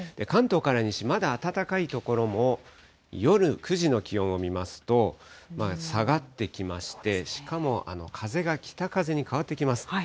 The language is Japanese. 関東から西、まだ暖かい所も夜９時の気温を見ますと、下がってきまして、しかも風が北風に変わってきます。